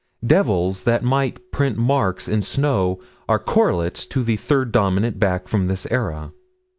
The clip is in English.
Devils that might print marks in snow are correlates to the third Dominant back from this era.